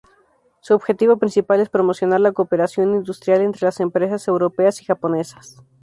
Su objetivo principal es promocionar la cooperación industrial entre las empresas europeas y japonesas.